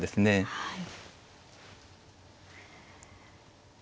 はい。